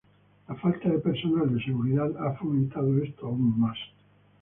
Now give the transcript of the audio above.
La falta de personal de seguridad ha fomentado esto aún más.